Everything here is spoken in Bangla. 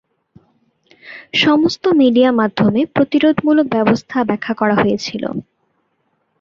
সমস্ত মিডিয়া মাধ্যমে প্রতিরোধমূলক ব্যবস্থা ব্যাখ্যা করা হয়েছিল।